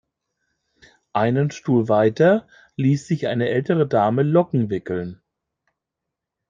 Einen Stuhl weiter ließ sich eine ältere Dame Locken wickeln.